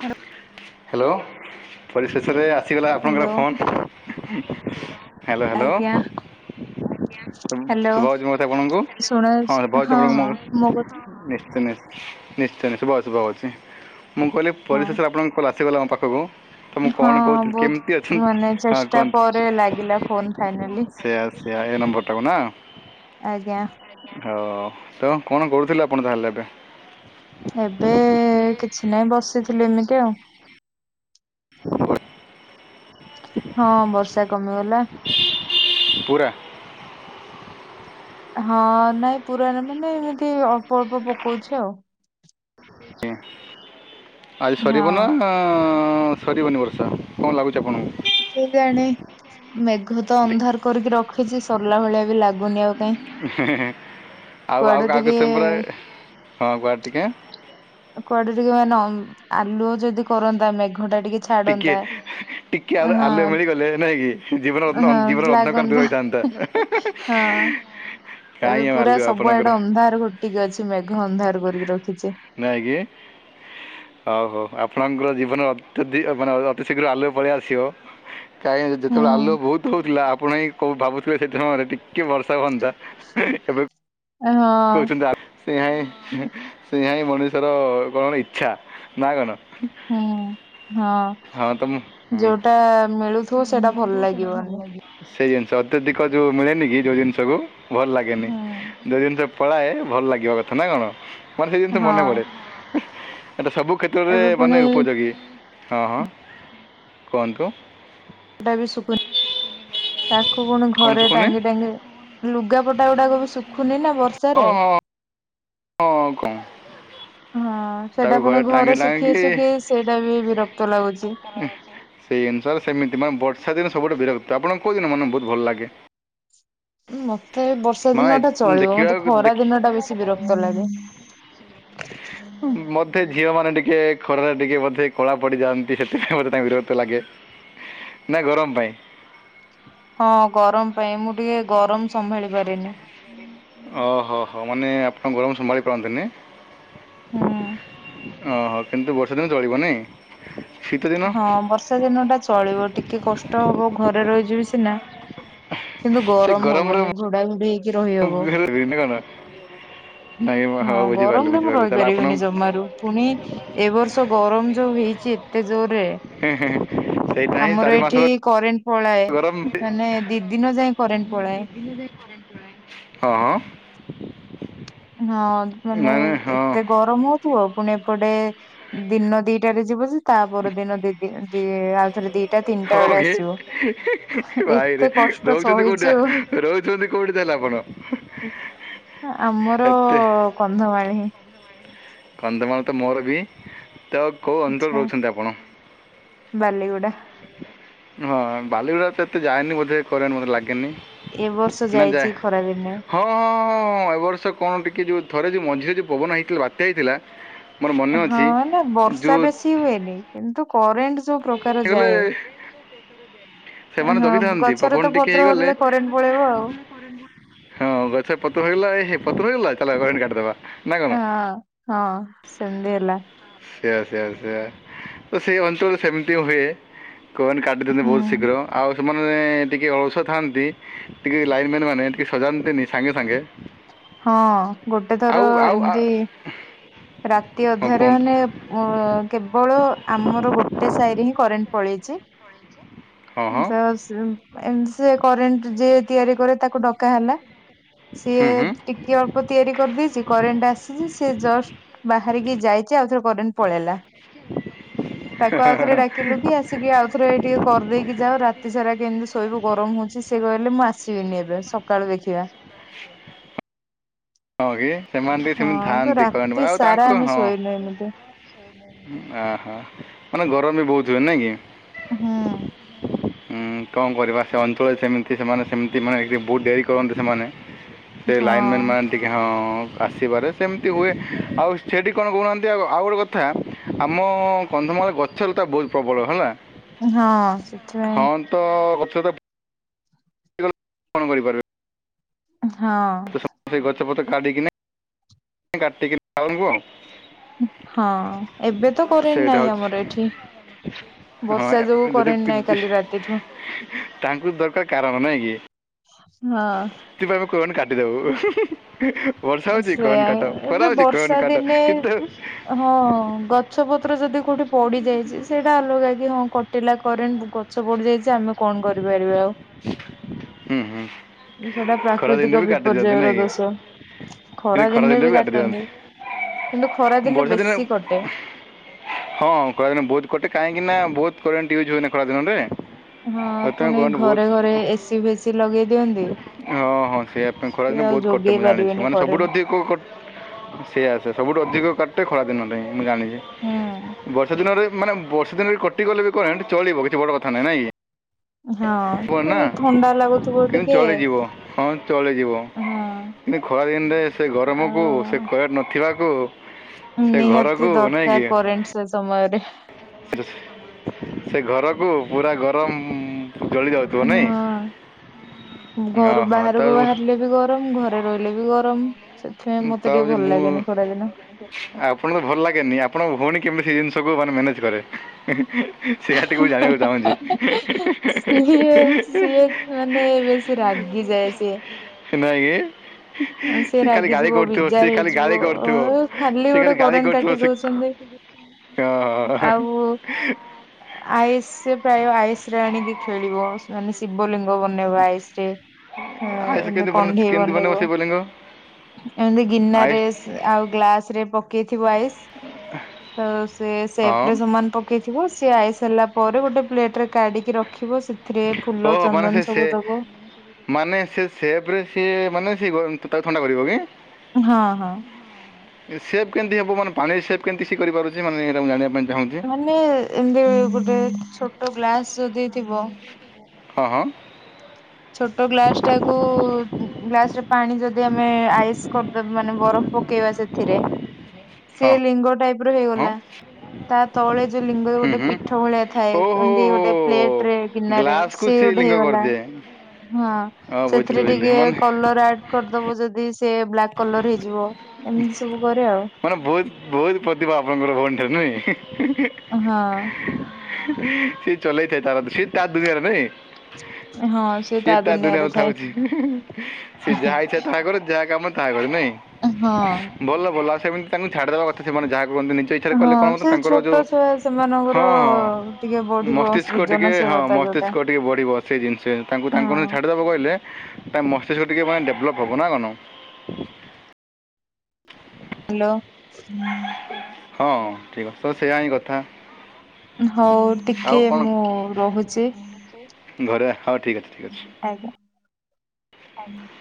ହ [unintelligible] ହ୍ୟାଲୋ ପରିଶେଷରେରେ ଆସିଗଲା ହ୍ୟାଲୋ ଆପଣଙ୍କର ଫୋନ୍ କଲ। Hello hello. ଆଜ୍ଞା ହ୍ୟାଲୋ ଶୁଭା ଯାଉଛି ମୋ କଥା ଆପଣଙ୍କୁ ହଁ ଶୁଣାଯାଉଛି ଶୁଭାହେଉଛି ହଁ ଆପଣଙ୍କୁ ମୋ କଥା ଡିସ୍କ କନେଟ୍। ନିଶ୍ଚୟ ଶୁଭା, ଶୁଭା ଯାଉଛି, ମୁଁ କହିଲି ହଁ ପରିଶେଷରେ ଆପଣଙ୍କ କଲ୍ ଆସିଗଲା ମୋ ପାଖକୁ। ତ ମୁଁ କଣ ହଁ କହୁଥିଲି କେମିତି ବହୁତ ଅଛନ୍ତି ମାନେ ହଁ ଚେଷ୍ଟା କୁହନ୍ତୁ? ପରେ ଲାଗିଲା ଫୋନ ଫାଇନାଲି ସେଇଆ ସେଇଆ ଏ ନମ୍ବର ଟାକୁ ନା? ଆଜ୍ଞା। ହଉ ତ କଣ କରୁଥିଲ ଆପଣ ତାହେଲେ ଏବେ? ଏବେ କିଛି ନାହିଁ ବସିଥିଲୁ ଏମିତି ଆଉ। ହଁ ବର୍ଷା କମିଗଲା। କଉ ଗାଁ? ହଁ ନାଇଁ ପୁରା ନୁହଁ ମାନେ ଏମିତି ଅଳ୍ପ ଅଳ୍ପ ପକଉଛି ଆଉ। [inaudible] ଆଜି ହଁ ସରିବ ନା ସରିବନି ବର୍ଷା କଣ ଲାଗୁଛି ଆପଣଙ୍କୁ? କିଏଜାଣେ ମେଘ ତ ଦେଖ ଅନ୍ଧାର କରିକି ରଖିଛି ସରିଲା ଭଳିଆ ବି ଲାଗୁନି ଆଉ। କାଇଁ ଆଉ ଆଉ କୁଆଡୁ ଟିକେ କାହାକୁ ସେ ପୁରାଏ ହଁ କୁଆଡେ ଟିକେ କୁଆଡେ ଟିକେ ମାନେ ଆଲୁଅ ଯଦି କରନ୍ତା ମେଘ ଟା ଟିକେ ଛାଡନ୍ତା ଟିକେ ଆଲୁଅ ହଁ ମିଳିଗଲେ ନାଇଁକି ଜୀବନ ହଁ ଜୀବନ ବ୍ଲାକ୍ ଅନ୍ଧକାର ଅନ୍ଧ ଦୂର ହେଇଯାଆନ୍ତା। ତ ହଁ ଏବେ ପୁରା ସବୁଆଡେ ଅନ୍ଧାର ଘୋଟିକି ଅଛି ମେଘ ଅନ୍ଧାର କରିକି ରଖିଛେ। ନାଁଇକି? ହଉ ହଉ ଆପଣଙ୍କର ଜୀବନ ଅତ୍ୟଧ ମାନେ ଅତିଶୀଘ୍ର ଆଲୁଅକୁ ପଳେଇ ଆସିବ। କାହିଁକି ହୁଁ ଯେତେବେଳେ ଆଲୁଅ ବହୁତ ହଉଥିଲା ଆପଣ ହିଁ କୋଉ ଭାବୁଥିବେ ସେଦିନ ଟିକେ ବର୍ଷା ହୁଅନ୍ତା ଏବେ ହଁ କହୁଛନ୍ତି ଆ ସେଇଆହିଁ ସେଇଆହିଁ ମଣିଷର କଣ ଇଚ୍ଛା ନା କଣ? ହୁଁ ହଁ ହଁ ତ ମୁଁ ଯଉଟା ମିଳୁଥିବ ସେଇଟା ଭଲ ଲାଗିବନି। ସେଇ ଜିନିଷ ଅତ୍ୟଧିକ ଯୋଉ ମିଳେନି କି ଯୋଉ ଜିନିଷକୁୁ ଭଲ ଲାଗେନି। ହୁଁ ଯୋଉ ଜିନିଷ ପଳାଏ ଭଲ ଲାଗିବା କଥା ନା କଣ? ମାନେ ସେଇ ଜିନିଷ ହଁ। ମନେ ପଡ଼େ। ସେଟା ସବୁ କ୍ଷେତ୍ରରେ ଏବେ ପୁଣି ମାନେ ଉପଯୋଗୀ। ହଁ ହଁ କୁହନ୍ତୁ? ଲୁଗାପଟା ବି ଶୁଖୁନି ତାକୁ ପୁଣି କ'ଣ ଘରେ ଶୁଭୁନି ଟାଙ୍ଗି ଟାଙ୍ଗି ଲୁଗାପଟା ଗୁଡାକ ବି ଶୁଖୁନି ନା। ବର୍ଷାରେ ଅଁ-ଅଁ ଅଁ କଣ? ହଁ ତାକୁ ସେଟା ପୁଣି ଟାଙ୍ଗି ଘରେ ଶୁଖେଇ ଟାଙ୍ଗିକି ଶୁଖେଇ ସେଇଟା ବି ବିରକ୍ତ ଲାଗୁଛି। ସେଇ ଅନୁସାରେ ସେମିତି ମାନେ ବର୍ଷା ଦିନ ସବୁଠୁ ବିରକ୍ତ। ଆପଣ କୋଉ ଦିନ ମାନେ ବହୁତ ଭଲ ଲାଗେ? ମତେ ବର୍ଷା ମାନେ ଦିନ ଟା ଚଳିବ। ମତେ ଦେଖିବାକୁ ଖରା ଦେଖି ଦିନ ଟା ବେଶୀ ବିରକ୍ତ ଲାଗେ। ମତେ ଝିଅ ମାନେ ଟିକେ ଖରାରେ ଟିକେ ବୋଧେ କଳା ପଡିଯାଆନ୍ତି ସେଥିପାଇଁ ମୋତେ ତା ବିରକ୍ତ ଲାଗେ। ନା ଗରମ ପାଇଁ। ହଁ ଗରମ ପାଇଁ ମୁଁ ଟିକେ ଗରମ ସମ୍ଭାଳି ପାରେନି। ଓ ହ ହୋ ମାନେ ଆପଣଙ୍କ ଗରମ ସମ୍ଭାଳି ପାରନ୍ତିନି। ହୁଁ ଓହୋ କିନ୍ତୁ ବର୍ଷା ଦିନ ଚଳିବ ନାଇଁ? ହଁ ବର୍ଷା ଦିନ ଟା ଚଳିବ ଟିକେ କଷ୍ଟ ହବ ଘରେ ରହିଯିବି ସିନା କିନ୍ତୁ ଗରମ ହବନି ଘୋଡା ଘୋଡିହେଇକି ଖ ବିନ କଣ [unintelligible] ନାଇଁ ହଁ ବୁଝିପାରିଲି ଗରମରେ ମୁଁ ବୁଝିପାରିଲି ତାହେଲେ ଆପଣ ରହିପାରିବିନି ଜମାରୁ ପୁଣି ଏ ବର୍ଷ ଗରମ ଯୋଉ ହେଇଚି ଏତେ ଜୋରରେ ସେଇଟା ହିଁ ଚାରି ଆମର ଏଇଠି ମାସର କରେଣ୍ଟ ପଳାଏ ଗରମ ମାନେ ଦି ଦିନ ଯାଏ କରେଣ୍ଟ ପଳାଏ। ମୁଁ ଦେଖୁନାଇଁ। ହଁ ହଁ। ହଁ ମାନେ ନାଇଁ ନାଇଁ ହଁ ଏତେ ଗ ତମ ପୁଅ ପୁଣି ଏପଟେ ଦିନ ଦିଟାରେ ଯିବୁ ଯେ ତା ପର ଦିନ ଦିଦିନ ଦି ଆଉ ଥରେ ଦିଟା ତିନିଟା ହଁ ବେଳେ କି ଆସିବୁ। ଭାଇରେ ରହୁଚନ୍ତି ସହିଛୁ କୋଉଠା ରହୁଚନ୍ତି କୋଉଠି ତାହାଲେ ଆପଣ? ଆମର ଏତେ କନ୍ଧମାଳ ହିଁ। କନ୍ଧମାଳ ତ ମୋର ବି ତ କୋଉ ଅନ୍ତଳରେ ରହୁଚନ୍ତି ଆପଣ? ବାଲିଗୁଡ଼ା। ହଁ ବାଲିିଗୁଡାରେ ତ ଏତେ ଯାଏନି ବୋଧେ କରେଣ୍ଟେ ମୋତେ ଲାଗେନି। ଏ ବର୍ଷ ନା ଯାଏ ଯାଇଚି ଖରା ଦିନେ। ହଁ ଅଁହଁ ଅଁଏ ବର୍ଷ କଣ ଟିକିଏ ଯେଉଁ ଥରେ ଯେଉଁ ମଝିରେ ଯେଉଁ ପବନ ହେଇଥିଲା ବାତ୍ୟା ହେଇଥିଲା। ମୋର ମନେ ହଁ ଅଛି ନା ବର୍ଷା ଯେଉଁ ବେଶି ହୁଏନି। କିନ୍ତୁ କରେଣ୍ଟେ ଯୋଉ ପ୍ରକାର ହେଇଗଲେ ଯାଏ ସେମାନେ ହଁ ଜଗିଥାନ୍ତି ଗଛରେ ପବନ ତ ଟିକେ ପତ୍ର ହେଇଗଲେ ହଲିଲେ କରେଣ୍ଟେ ପଳେଇବ ଆଉ। ହଁ ଗଛରେ ପତର ହେଇଗଲା ଏଇ ପତର ହେଇଗଲା ଚାଲ କରେଣ୍ଟେ କାଟିଦବା। ହଁ ହଁ ସେମିଦି ହେଲା। ସେୟା ସେୟା ସେୟା ସେଇ ଅଞ୍ଚଳ ରେ ସେମିତି ହୁଏ। କୁହନି କାଟିଦିଅନ୍ତି ହୁଁ ବହୁତ୍ ଶୀଘ୍ର ଆଉ ଯୋଉମାନେ ଟିକିଏ ଅଳସୁଆ ଥାଆନ୍ତି। ଟିକିଏ ଲାଇନ ମ୍ୟାନ୍ ମାନେ ଟିକିଏ ସଜାନ୍ତିନି ସାଙ୍ଗେ ସାଙ୍ଗେ। ହଁ ଗୋଟେ ଥର ଆଉ ଆଉ ଏମିତି ଆ- ରାତି ହଁ ଅଧରେ କୁହନ୍ତୁ ମାନେ ଅ କେବଳ ଆମର ଗୋଟେ ସାହିଡ୍ ହିଁ କରେଣ୍ଟେ ପଳେଇଚି। ହଁ ହଁ ଯାଅ ସିମ୍। ଏମ୍ ସେ ସେ କରେଣ୍ଟେ ଯିଏ ତିଆରି କରେ ତାକୁ ଡକା ହେଲା ସିଏ ହୁଁ ହୁଁ ଟିକିଏ ଅଳ୍ପ ତିଆରି କରିଦେଇଚି କରେଣ୍ଟେ ଆସିଚି ସେ ଜଷ୍ଟ ବାହାରିକି ଯାଇଚି ଆଉଥରେ କରେଣ୍ଟେ ପଳେଇଲା। ତାକୁ ଆଉଥରେ ଡାକିଲୁ କି ଆସିକି ଆଉଥରେ ଟିକିଏ କରିଦେଇକି ଯାଅ ରାତି ସାରା କେମିତିସୋ ଶୋଇବୁ ଗରମ ହୋଉଚି। ସେ କହିଲେ ମୁଁ ଆସିବିନି ଏବେ ସକାଳୁ ଦେଖିବା। ହଁ ଇଏ ସେମାନେ ବି ସେମିତି ହଁ ତ ଥାଆନ୍ତି କରେଣ୍ଟେ ରାତି ବା ଆଉ ସାରା ତାଙ୍କ ଆମେ ହଁ। ଶୋଇନୁ ଏମିତି। ଆହା ମାନେ ଗରମ ବି ବହୁତ୍ ହୁଏ। ନାଇଁ କି? ହଁ। ହୁଁ କଣ କରିବା ସେ ଅଞ୍ଚଳରେ ସେମିତି ସେମାନେ ସେମିତି। ମାନେ ବହୁତ୍ ଡେରି କରନ୍ତି ସେମାନେ ସେ ହଁ ଲାଇନ୍ ମ୍ଯାନ୍ ମାନ୍ ଟିକିଏ ହଁ ଆସିପାରେ ସେମିତି ହୁଏ। ଆଉ ସେଇଠି କଣ ହୁଅନ୍ତି ଆଗ ଆଉ ଗୋଟେ କଥା। ଆମ କନ୍ଧମାଳ ଗଛଲତା ବହୁତ୍ ପ୍ରବଳ ହେଲା। ହଁ ସେ। ହଁ ତ ଗଛ ଟାପ କଣ କରିପାରେ। ହଁ। ତ ସମସ୍ତ ଗଛପତ କା [unintelligible] ଢିକିନି କାିକ ଆଉ ହଁ ଏବେ ତ କରେନ୍ ସେଇଟା ନାହିଁ ହେଉଛି ଆମର ଏଠି ହଁ ବର୍ଷା ଯୋଗୁ ଯଦି କରେଣ୍ଟ୍ ନାଇଁ କି- କାଲି ରାତିଠୁ ତାଙ୍କୁ ଦରକାର୍ କାରଣ ନାଇଁ କି ହଁ ସେଥିପାଇଁ ଆମେ ଫୋନ କାଟିଦବୁ ବର୍ଷା ହେଉଛି ସେୟା କନ୍ କାଟ ଖରା ଏବେ ହେଉଛି କନ୍ ବର୍ଷା କାଟ କି ଦିନେ ଶିତ ହଉଚି ହଁ ଗଛ ପତ୍ର ଯଦି କୋଉଠି ପଡି ଯାଇଛି ସେଇଟା ଅଲଗା କି ହଁ କ କଟିଲା କରେଣ୍ଟ ଗଛ ପଡିଯାଇଛି ଆମେ କଣ କରିପାରିବା ଆଉ ହୁଁ ହୁଁ ସେଟା ଖରା ଦିନରେ ପ୍ରାକୃତିକ ବି କାଟି ବିପର୍ଯ୍ୟୟ ଦିଅନ୍ତି ର ନାଇଁ କି ଦୋଷ [inaudible] ଖରା ଦିନେ ଦିନରେ ବି କାଟି କାଟନ୍ତି, ଦିଅନ୍ତି କିନ୍ତୁ ଖରା ଦିନେ ବେଶୀ କଟେ ହଁ ଖଳା ଦିନେ ବହୁତ୍ କଟେ କାହିଁକିନା ବହୁତ୍ କରେଣ୍ଟ ୟୁଜ୍ ହୁଏନା ଖଳା ଦିନରେ ହଁ ସେଥିପାଇଁ ପୁଣି କରେଣ୍ଟ ବହୁତ ଘରେ ଘରେ ଏସିି ଫେସି ଲଗେଇ ଦିଅନ୍ତି ହଁ ହଁ ସେଇଆ ପାଇଁ ଖରାଁ ସେ ଆଉ ବହୁତ୍ କଟେ ଯୋଗେଇ ମୁଁ ଜାଣିଛି ପାରିବେନି ମାନେ ସବୁଠୁ କରେଣ୍ଟ ଅଧିକ କେ ସେ ଆସେ ସବୁଠୁ ଅଧିକ କାଟେ ଖରା ଦିନରେ ନାଁ ମୁଁ ଜାଣିଛି ହୁଁ ବର୍ଷା ଦିନରେ ମାନେ ବର୍ଷା ଦିନରେ କଟି ଗଲେ ବି କରେଣ୍ଟ୍ ଚଳିବ କିଛି ବଡ କଥା ନାହିଁ ନାଇଁ କୁହ ନା ହଁ ଥଣ୍ଡା ଲାଗୁଥିବ କିନ୍ତୁ ଟିକେ ଚଳିଯିବ ହଁ ଚଳିଯିବ। ହଁ କିନ୍ତୁ ଖରା ଦିନରେ ସେ ଗରମକୁ ସେ ଆଉ କରେଣ୍ଟେ ନଥିବାକୁ ସେ ନିହାତି ଘରକୁ ନାଇଁ କି ଦରକାର୍ କରେଣ୍ଟ ସେ ସମୟରେ ସେ ଘରକୁ ପୁରା ଗରମ ଜଳି ଯାଉଥିବ ହଁ ନାଇଁ ଘରୁ ଓହୋ ତ ବାହାରକୁ ବାହାରିଲେ ବି ଗରମ ଘ ଘରେ ରହିଲେ ବି ଗରମ ସେଥିପାଇଁ ମତେ ଟିକେ ଯେ ଭଲ ମୁଁ ଲାଗେନି ଖରା ଦିନ ଆପଣ ତ ଭଲ ଲାଗେନି ଆପଣଙ୍କ ଭଉଣୀ କେମିତି ସେ ଜିନିଷକୁୁ ମାନେ ମ୍ୟାନେଜ କରେ ସେୟା ଟିକୁ ମୁଁ ଜାଣିବାକୁ ଚାହୁଁଛି ସିଏ ସିଏ ମାନେ ବେଶୀ ରାଗି ଯାଏ ସିଏ ନାଇଁ ଆଉ ସିଏ ଏ ଗାଳି ରାଗିଯିବ କରଥୁବ ବିଜାର ସିଏ ଖାଲି ହେଇଯିବ ଗାଳି କରଥୁବ ଆଉ ସିଏ ଗୋଟେ ଖାଲି ଗାଳି କରେଣ୍ଟ କାଟି କରଥୁବ ଦଉଛନ୍ତି ହଁ ଆଇସ୍ ପ୍ରାୟ ଆଇସ୍ ରେ ଆଣିକି ଖେଳିବ ମାନେ ଶିବଲିଙ୍ଗ ବନେଇବ ଆଇସ୍ ରେ ଆୟୁଷ ଏ କେମିତି ବନ କଣ୍ଢେଇ କେମିତି ବନେଇବ ସେ ବୋଲିଙ୍ଗ ଏମିତି ଆୟୁଷ ଗିନାରେ ଆଉ ଗ୍ଲାସ ରେ ପକେଇଥିବ ଆଇସ୍ ତ ସେ ସେପ ହଁ ରେ ସମାନ ପକେଇଥିବ ସିଏ ଆଇସ୍ ହେଲାପରେ ଗୋଟେ ପ୍ଲେଟ ରେ କାଢିକି ରଖିବ ସେଥିରେ ଫୁଲ ଓହୋ ସେ ଚନ୍ଦନ ସବୁ ଦବ ମାନେ ସେ ସେପ୍ ରେ ସେ ମାନେ ସେ ତାକୁ ଥଣ୍ଡା କରିବ କି ହଁ ହଁ ସେପ୍ କେମିତି ହବ ମାନେ ପାଣି ସେପ୍ କେମିତିି ସେ କରିପାରୁଛି ମାନେ ଏଇଟା ମୁଁ ଜାଣିବା ପାଇଁ ଚାହୁଁଛି ମାନେ ଏମିତି ଗୋଟେ ଛୋଟ ଗ୍ଲାସ ଯଦି ଥିବ ହଁ ହଁ ଛୋଟ ଗ୍ଲାସ୍ ଟାକୁୁ ଗ୍ଲାସ୍ ରେ ପାଣି ଯଦି ଆମେ ଆଇସ୍ କରିଦ ମାନେ ବରଫ ପକେଇବା ସେଥିରେ ସେ ହଁ ଲିଙ୍ଗ ଟାଇପ୍ ହଁ ହେଇଗଲା ତା ତଳେ ଯୋଉ ଲିଙ୍ଗ ହୁଁ ଗୋଟେ ହୁଁ ପିଠ ଭଳିଆ ଥାଏ ଓହୋ ଏମିତି ଗୋଟେ ପ୍ଲେଟ୍ ରେ ଗିନାରେ ଗ୍ଲାସ୍କୁ ସେ ସିଏ ଗୋଟେ ଲିଙ୍ଗ ହେଇଗଲା କରିଦିଏ ହଁ ବୁଝିଲି ସେଥିରେ ବୁଝିଲି ଟିକେ ମାନେ କଲ ଆଡ଼ କରିଦବ ଯଦି ସେ ବ୍ଲାକ୍ କଲର ହେଇଯିବ ଏମିତି ସବୁ କରେ ଆଉ ମାନ ବହୁତ୍ ବହୁତ୍ ପଥିପା ଆପାଣକ ଭଉଣୀ ଟା ନେଇ ହଁ। ସି ଚଲେଇଥାଏ ତାର ସେ ତ ଦୁନିଆରେ ନାଇଁ। ହଁ ସେ ସିଏ ତା ଦୁନିଆରେ ଥାଏ ଥାଉଛି ସିଏ ଯାହା ଇଚଛା ତାଙ୍କର ଯାହା କାମ ତା ଘରେ ନାଇଁ? ଏ ହଁ। ଭଲ ଭଲ ଆଉ ସେମିତି ତାଙ୍କୁ ଛାଡ଼ିଦେବା କଥା ସେମାନେ ଯାହା କୁହନ୍ତି। ନିଜ ଇଛାରେ ହଁ କଲେ କଣ ହବ ନାଁ ସେ ତାଙ୍କର ଯୋଉ ଛୋଟ ଛୁଆ ସେମାନଙ୍କର ହଁ ହଁ ଟିକେ ବଢିବ ମସ୍ତିସ୍କ ଟିକେ ହଁ ସୃଜନଶୀଳତା ଯୋଉଟା। ମସ୍ତିସ୍କ ଟିକେ ବଢିବ ସେ ଜିନିଷ ତାଙ୍କୁ ହଁ ତାଙ୍କୁରୁ ଛାଡିଦବ କହିଲେ ତ ମସ୍ତିଷ୍କ ଟକେ ମାନେ ଡେଭଲପ୍ ହବ ନା କଣ? ହାଲୋ। ହଁ ଠିକ୍ ଅଛି ତ ସେୟା ହିଁ କଥା। ହୋଉ ଆଉ ଟିକେ କ'ଣ ମୁଁ ରୋହୁଚି। ଘରେ ହୋଉ ଠିକ୍ ଅଛି ଠିକ୍ ଅଛି। ଆଜ୍ଞା। ଆଜ୍ଞା।